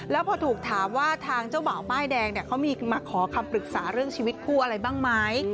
แล้วพอถูกถามว่าทางเจ้าบ่าวป้ายแดงเนี่ยเขามีมาขอคำปรึกษาเรื่องชีวิตคู่อะไรบ้างไหม